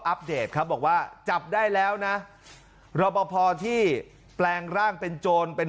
เดตครับบอกว่าจับได้แล้วนะรอปภที่แปลงร่างเป็นโจรเป็น